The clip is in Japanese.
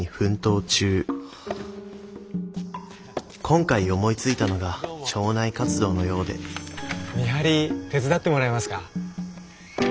今回思いついたのが町内活動のようで見張り手伝ってもらえますか？